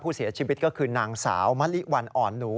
เสียชีวิตก็คือนางสาวมะลิวันอ่อนหนู